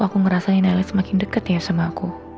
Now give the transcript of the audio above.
kok aku ngerasa naila semakin deket ya sama aku